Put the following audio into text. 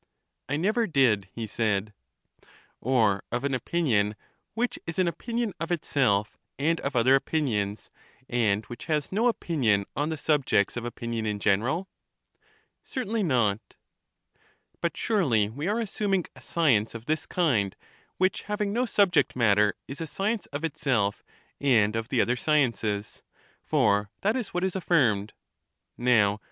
I never did, he said. Or of an opinion which is an opinion of itself and of other opinions, and which has no opinion on the subjects of opinion in general? Certainly not. But surely we are assuming a science of this kind, which, having no subject matter, is a science of itself and of the other sciences; for that is what is affirmed. Now.